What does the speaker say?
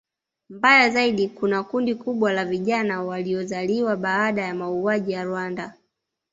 Mbaya zaidi kuna kundi kubwa la vijana waliozaliwa baada ya mauaji ya Rwanda